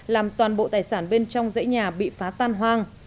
làm toàn bộ tài sản bên trong dãy nhà bị phá tan hoang